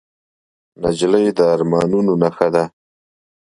نجلۍ د ارمانونو نښه ده.